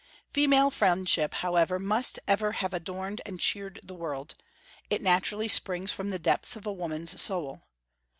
Female friendship, however, must ever have adorned and cheered the world; it naturally springs from the depths of a woman's soul.